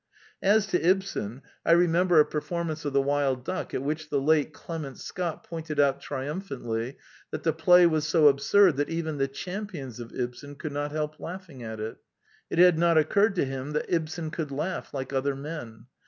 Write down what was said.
As to Ibsen, I remember a per The New Element 209 formance of The Wild Duck, at which the late Clement Scott pointed out triumphantly that the play was so absurd that even the champions of Ibsen could not help laughing at it. It had nbt occurred to him that Ibsen could laugh like other men.